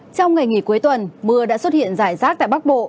trong ngày nghỉ cuối tuần mưa đã xuất hiện rải rác tại bắc bộ